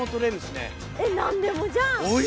何でもじゃん！